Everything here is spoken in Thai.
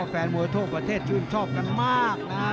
แฟนมวยโทษประเทศชื่นชอบกันมาก